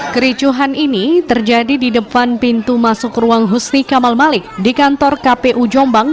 kericuhan ini terjadi di depan pintu masuk ruang husni kamal malik di kantor kpu jombang